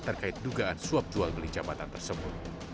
terkait dugaan suap jual beli jabatan tersebut